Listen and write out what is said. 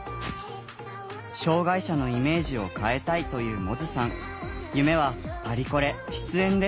障害者のイメージを変えたいという百舌さん。